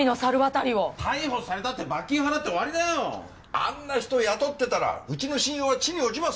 あんな人雇ってたらうちの信用は地に落ちます！